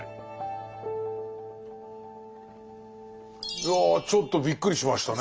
いやちょっとびっくりしましたね。